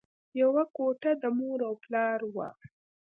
یوه کوټه د مور او پلار وه